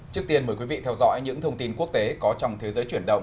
trước tiên mời quý vị theo dõi những thông tin quốc tế có trong thế giới chuyển động